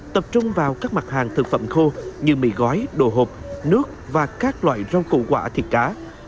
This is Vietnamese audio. tập trung vào các mặt hàng thực phẩm khô như mì gói đồ hộp nước và các loại rau củ quả thịt cá